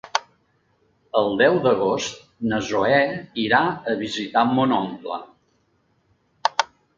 El deu d'agost na Zoè irà a visitar mon oncle.